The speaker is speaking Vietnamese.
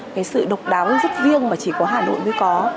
cái sự độc đáo rất riêng mà chỉ có hà nội mới có